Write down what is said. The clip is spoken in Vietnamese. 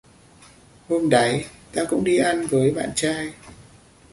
hôm đáy tao cũng đi ăn với bạn trai